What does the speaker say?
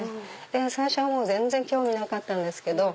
最初は全然興味なかったんですけど。